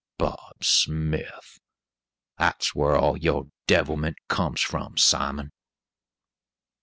Bob Smith! That's whar all your devilment comes from, Simon."